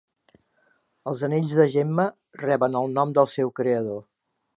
Els anells de Gemma reben el nom del seu creador.